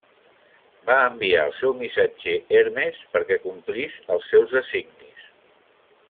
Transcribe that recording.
Va enviar el seu missatger, Hermes, perquè complís els seus designis.